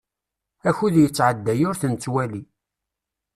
Akud yettɛedday ur t-nettwali.